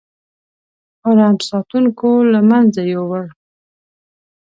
حرم ساتونکو له منځه یووړ.